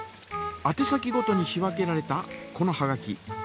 あて先ごとに仕分けられたこのはがき。